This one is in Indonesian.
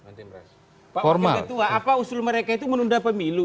pak pak kedua apa usul mereka itu menunda pemilu